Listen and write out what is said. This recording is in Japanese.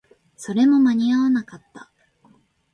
それも間に合わなかった